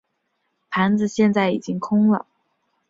盘子现在已经空了。